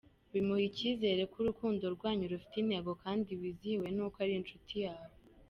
Bimuha icyizere ko urukundo rwanyu rufite intego kandi wizihiwe n’uko ari inshuti yawe.